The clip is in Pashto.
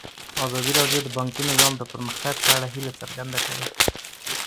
ازادي راډیو د بانکي نظام د پرمختګ په اړه هیله څرګنده کړې.